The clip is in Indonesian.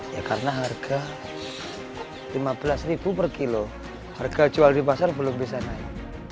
ya karena harga rp lima belas per kilo harga jual di pasar belum bisa naik